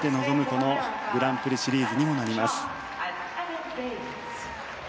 このグランプリシリーズにもなります。